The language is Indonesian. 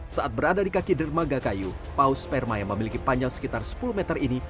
saat berada di kaki dermaga kayu paus sperma yang memiliki panjang sekitar sepuluh meter ini